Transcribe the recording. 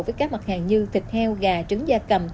với các mặt hàng như thịt heo gà trứng da cầm